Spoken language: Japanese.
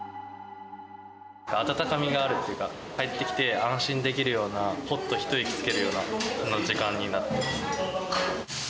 温かみがあるというか、帰ってきて安心できるような、ほっと一息つけるような、そんな時間になってます。